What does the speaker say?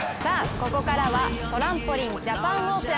ここからはトランポリンジャパンオープン。